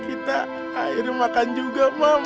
kita akhirnya makan juga mam